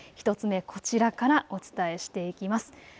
１つ目こちらからお伝えしていきます。